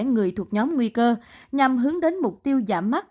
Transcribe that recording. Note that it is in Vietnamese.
người thuộc nhóm nguy cơ nhằm hướng đến mục tiêu giảm mắt